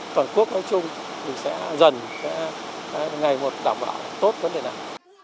toàn quốc nói chung thì sẽ dần ngày một đảm bảo tốt vấn đề này